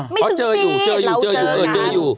ไม่สึกปีนเราเจอกันเจออยู่